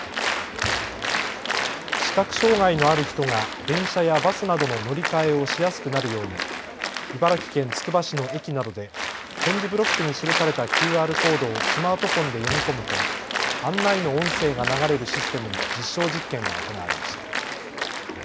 視覚障害のある人が電車やバスなどの乗り換えをしやすくなるように茨城県つくば市の駅などで点字ブロックに記されたＱＲコードをスマートフォンで読み込むと案内の音声が流れるシステムの実証実験が行われました。